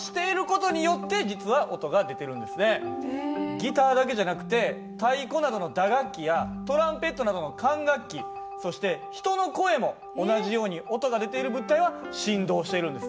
ギターだけじゃなくて太鼓などの打楽器やトランペットなどの管楽器そして人の声も同じように音が出ている物体は振動しているんですね。